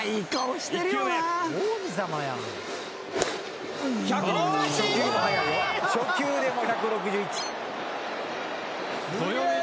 蛍原：初球で、もう１６１。